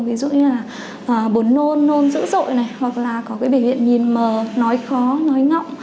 ví dụ như là bột nôn nôn dữ dội này hoặc là có cái biểu hiện nhìn mờ nói khó nói ngọng